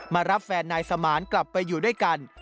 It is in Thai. รับแฟนนายสมานกลับไปอยู่ด้วยกัน